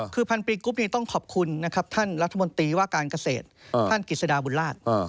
คือพันปีกรุ๊ปนี้ต้องขอบคุณนะครับท่านรัฐมนตรีว่าการเกษตรท่านกิจสดาบุญราช